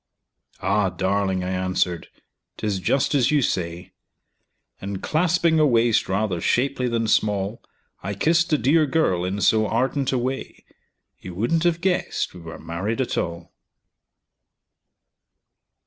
"Ah! darling," I answered, "'tis just as you say;" And clasping a waist rather shapely than small, I kissed the dear girl in so ardent a way You wouldn't have guessed we were married at all!